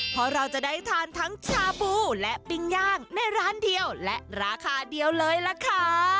เพราะเราจะได้ทานทั้งชาบูและปิ้งย่างในร้านเดียวและราคาเดียวเลยล่ะค่ะ